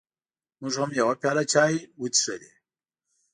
موږ هم یوه پیاله چای وڅښلې.